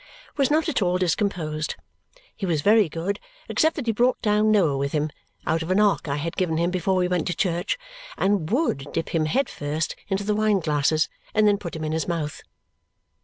was not at all discomposed. He was very good except that he brought down Noah with him (out of an ark I had given him before we went to church) and WOULD dip him head first into the wine glasses and then put him in his mouth.